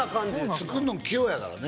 作るのん器用やからね